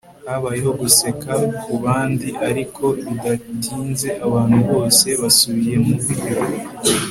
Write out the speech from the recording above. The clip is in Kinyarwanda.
habayeho guseka kubandi, ariko bidatinze abantu bose basubiye mubyo